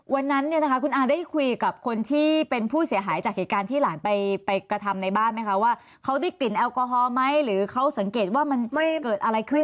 วันนั้นเนี่ยนะคะคุณอาได้คุยกับคนที่เป็นผู้เสียหายจากเหตุการณ์ที่หลานไปกระทำในบ้านไหมคะว่าเขาได้กลิ่นแอลกอฮอล์ไหมหรือเขาสังเกตว่ามันเกิดอะไรขึ้น